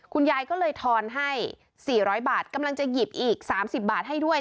คุณยายก็เลยทอนให้๔๐๐บาทกำลังจะหยิบอีก๓๐บาทให้ด้วย